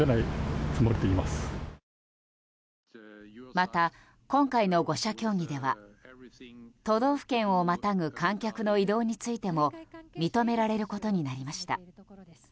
また、今回の５者協議では都道府県をまたぐ観客の移動についても認められることになりました。